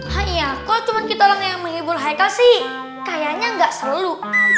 hai ya kok cuma kita yang menghibur hai kasih kayaknya enggak selalu